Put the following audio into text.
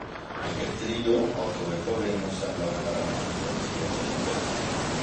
Aquest trio, al que Beethoven no sembla haver parat massa atenció, és interessant.